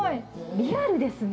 リアルですね。